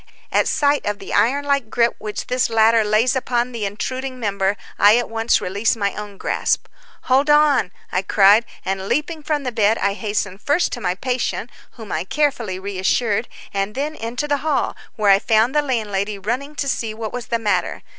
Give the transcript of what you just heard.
At sight of the iron like grip which this latter lays upon the intruding member, I at once release my own grasp. "Hold on," I cried, and leaping from the bed, I hastened first to my patient, whom I carefully reassured, and then into the hall, where I found the landlady running to see what was the matter.